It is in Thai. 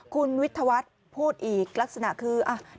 คุณวิทยาวัฒน์พูดอีกลักษณะคือ